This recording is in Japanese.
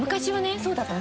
そうだったの。